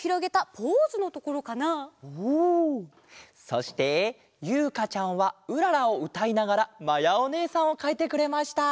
そしてゆうかちゃんは「うらら」をうたいながらまやおねえさんをかいてくれました。